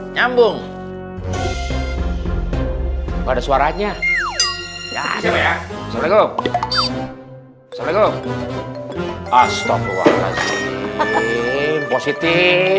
nyambung pada suaranya ya assalamualaikum assalamualaikum astaghfirullahaladzim positif